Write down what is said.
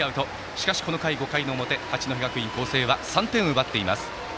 しかしこの回、５回表八戸学院光星は３点を奪っています。